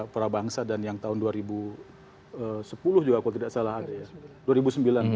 prabangsa dan yang tahun dua ribu sepuluh juga kalau tidak salah ada ya